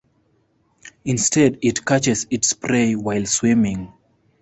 Instead it catches its prey while swimming.